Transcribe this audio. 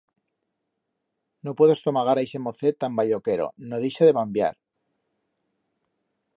No puedo estomagar a ixe mocet tan balloquero, no deixa de bambiar.